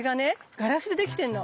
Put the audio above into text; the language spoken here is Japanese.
ガラスでできてんの。